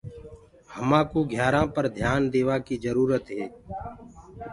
همآ ڪوُ گھيآرآنٚ پر ڌيآن ديوآ ڪي جروُرت هي۔